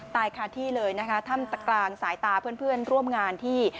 คาที่เลยนะคะถ้ำตะกลางสายตาเพื่อนร่วมงานที่